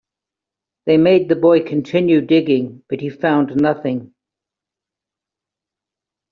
They made the boy continue digging, but he found nothing.